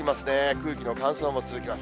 空気の乾燥も続きます。